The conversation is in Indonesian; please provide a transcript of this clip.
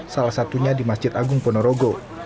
salah satunya di masjid agung ponorogo